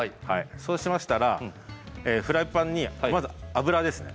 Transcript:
そうしましたらフライパンにまず油ですね。